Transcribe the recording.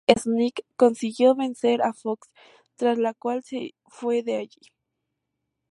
Snake consigue vencer a Fox, tras lo cual se fue de allí.